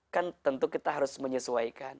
kan tentu kita harus menyesuaikan